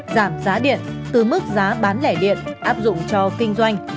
giảm giá điện từ mức giá bán lẻ điện áp dụng cho kinh doanh